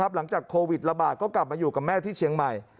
หลังจากโควิดระบาดก็กลับมาอยู่กับแม่ที่เชียงใหม่